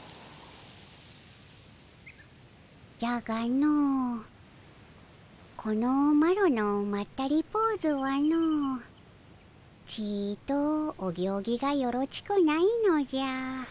じゃがのこのマロのまったりポーズはのちとお行儀がよろちくないのじゃ。